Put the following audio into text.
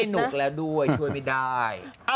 สนุกแล้วด้วยช่วยไม่ได้